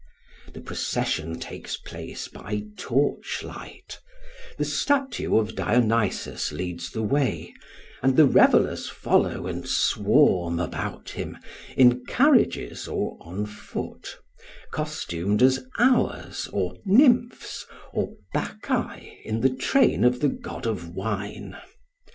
The procession takes place by torch light; the statue of Dionysus leads the way, and the revellers follow and swarm about him, in carriages or on foot, costumed as Hours or Nymphs or Bacchae in the train of the god of wine.